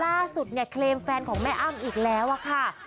ล่าสุดเนี่ยเคลมแฟนของแม่อ้ำอีกแล้วอะค่ะ